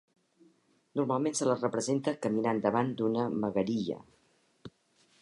Normalment se la representa caminant davant d'una "magariya".